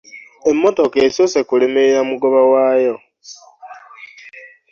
Emmotoka esoose kulemerera mugoba waayo.